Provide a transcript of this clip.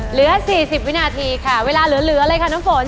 เหลือ๔๐วินาทีค่ะเวลาเหลือเลยค่ะน้ำฝน